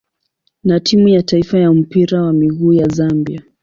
na timu ya taifa ya mpira wa miguu ya Zambia.